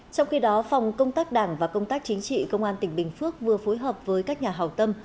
trong khi đó phòng công tác đảng và công tác chính trị công an tỉnh bình phước vừa phối hợp với các nhà hào tâm